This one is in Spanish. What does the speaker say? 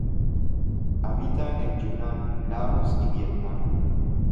Habita en Yunnan, Laos y Vietnam.